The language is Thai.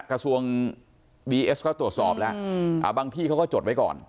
กระทรวงดีเอสก็ตรวจสอบแล้วบางที่เขาก็จดไว้ก่อน